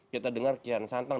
kita dengar kian santang